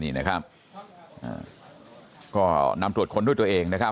นี่นะครับก็นำตรวจค้นด้วยตัวเองนะครับ